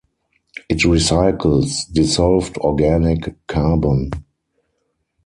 It recycles dissolved organic carbon.